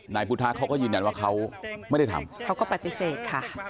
นายพุทธะเขาก็ยืนยันว่าเขาไม่ได้ทำเขาก็ปฏิเสธค่ะ